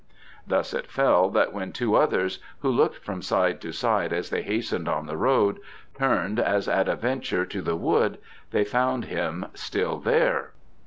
Thus it fell that when two others, who looked from side to side as they hastened on the road, turned as at a venture to the wood they found him still there.